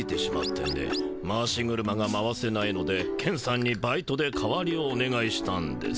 回し車が回せないのでケンさんにバイトで代わりをおねがいしたんです。